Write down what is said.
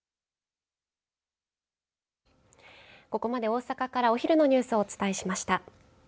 ここまで大阪からお昼のニュースをお伝えしました。